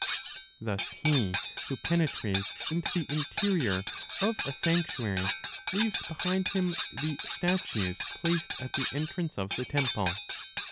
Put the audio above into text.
Thus he who penetrates into the interior of a sanctuary leaves behind him the statues placed (at the entrance) of the temple.